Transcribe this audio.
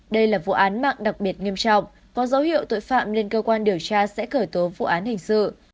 đây là vụ án mạng đặc biệt nghiêm trọng có dấu hiệu tội phạm nên cơ quan điều tra sẽ cởi tố vụ án hình sự